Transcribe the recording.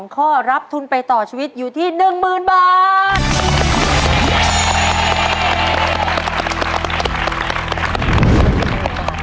ข้อรับทุนไปต่อชีวิตอยู่ที่๑๐๐๐บาท